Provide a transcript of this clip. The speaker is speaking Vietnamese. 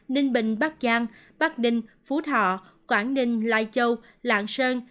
ninh bình bắc giang bắc ninh phú thọ quảng ninh lai châu lạng sơn